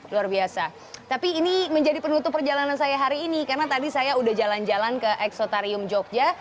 luar biasa tapi ini menjadi penutup perjalanan saya hari ini karena tadi saya udah jalan jalan ke eksotarium jogja